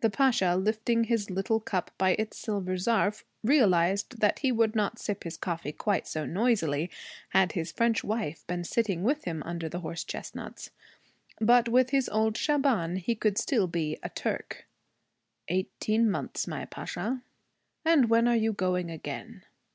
The Pasha, lifting his little cup by its silver zarf, realized that he would not sip his coffee quite so noisily had his French wife been sitting with him under the horse chestnuts. But with his old Shaban he could still be a Turk. 'Eighteen months, my Pasha.' 'And when are you going again?'